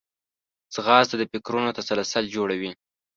منډه د فکرونو تسلسل جوړوي